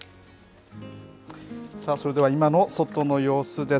さあ、それでは今の外の様子です。